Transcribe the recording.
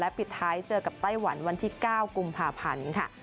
ปิดท้ายเจอกับไต้หวันวันที่๙กุมภาพันธ์ค่ะ